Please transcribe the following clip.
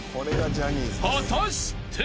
［果たして］